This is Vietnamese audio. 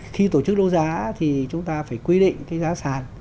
khi tổ chức đấu giá thì chúng ta phải quy định cái giá sản